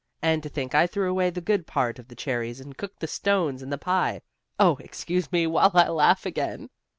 And to think I threw away the good part of the cherries and cooked the stones in the pie. Oh, excuse me while I laugh again!"